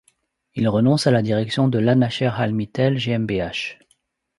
Il renonce alors à la direction de Lannacher Heilmittel GmbH.